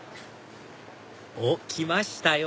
おっ来ましたよ